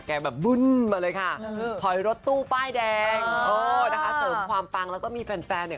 แบบบึ้นมาเลยค่ะถอยรถตู้ป้ายแดงโอ้นะคะเสริมความปังแล้วก็มีแฟนแฟนเนี่ย